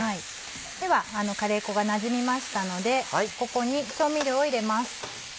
ではカレー粉がなじみましたのでここに調味料を入れます。